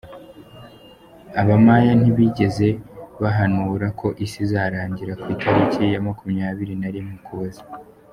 Abamaya ntibigeze bahanura ko isi izarangira ku itariki ya makumyabiri narimwe Ukuboza